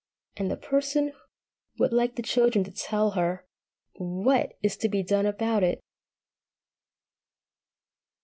And the Person would like the children to tell her what is to be done about it!